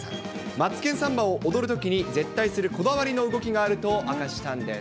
マツケンサンバを踊るときに絶対するこだわりの動きがあると明かしたんです。